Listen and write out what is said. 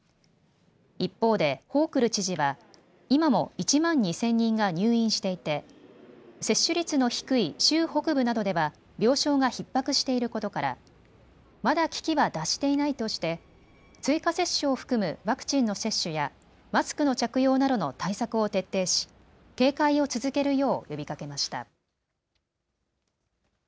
一方でホークル知事は今も１万２０００人が入院していて接種率の低い州北部などでは病床がひっ迫していることからまだ危機は脱していないとして追加接種を含むワクチンの接種やマスクの着用などの対策を徹底し警戒を続けるよう呼びかけました。